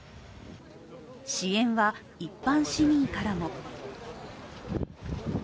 支援は一般市民からも。